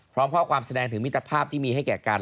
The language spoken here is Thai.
พร้อมข้อความแสดงถึงมิตรภาพที่มีให้แก่กัน